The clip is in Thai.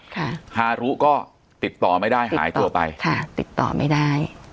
ฮารุก็ติดต่อไม่ได้หายตัวไปค่ะติดต่อไม่ได้